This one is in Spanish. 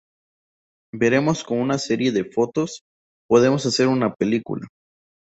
veremos cómo con una serie de “fotos” podemos hacer una “película”